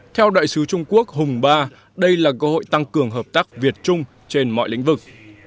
theo đại sứ trung quốc hùng ba đây là cơ hội tăng cường hợp tác việt trung trên mọi lĩnh vực